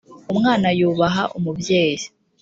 umwana yubaha umubyeyi.